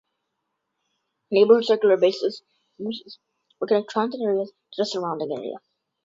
Neighborhood circulator buses will connect transit areas to the surrounding community.